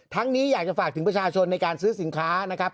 นี้อยากจะฝากถึงประชาชนในการซื้อสินค้านะครับ